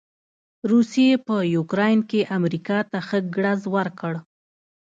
روسې په يوکراين کې امریکا ته ښه ګړز ورکړ.